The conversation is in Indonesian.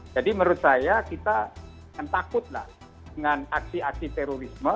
jadi menurut saya kita takutlah dengan aksi aksi terorisme